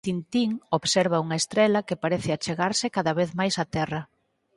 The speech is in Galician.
Tintín observa unha estrela que parece achegarse cada vez máis á Terra.